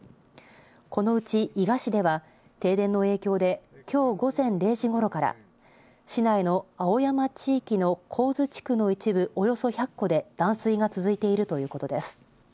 このうち伊賀市では停電の影響できょう午前０時ごろから市内の青山地域の上津地区の一部およそ１００戸で断水が続いているということです。